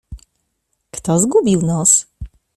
— Kto zgubił nos?